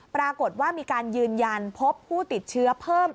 ปรากฏว่ามีการยืนยันพบผู้ติดเชื้อเพิ่ม